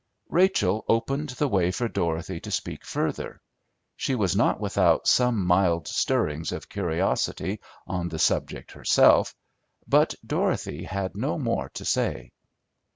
Rachel opened the way for Dorothy to speak further; she was not without some mild stirrings of curiosity on the subject herself, but Dorothy had no more to say.